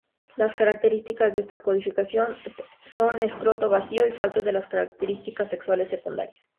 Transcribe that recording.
Las características de esta condición son escroto vacío y falta de características sexuales secundarias.